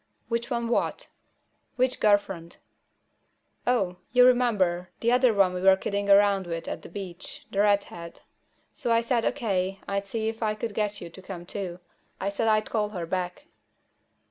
"Which one what?" "Which girl friend?" "Oh. You remember, the other one we were kidding around with at the beach, the redhead. So I said, O.K., I'd see if I could get you to come too. I said I'd call her back."